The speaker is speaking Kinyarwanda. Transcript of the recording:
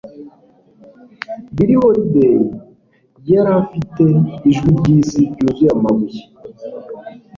Billie Holliday yari afite ijwi ryisi, ryuzuye amabuye.